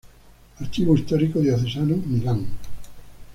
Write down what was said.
Archivo Histórico Diocesano, Milán.